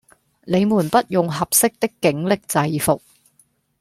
你們不用「合適」的警力制服